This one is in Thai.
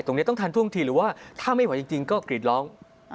ต้องทันท่วงทีหรือว่าถ้าไม่ไหวจริงก็กรีดร้อง